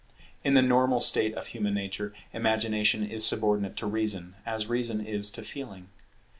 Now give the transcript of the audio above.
In the normal state of human nature, Imagination is subordinate to Reason as Reason is to Feeling.